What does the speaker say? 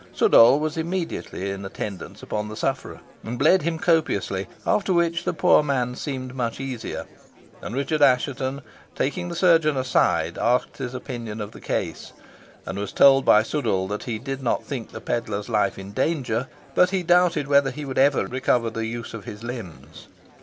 Sudall was immediately in attendance upon the sufferer, and bled him copiously, after which the poor man seemed much easier; and Richard Assheton, taking the chirurgeon aside, asked his opinion of the case, and was told by Sudall that he did not think the pedlar's life in danger, but he doubted whether he would ever recover the use of his limbs.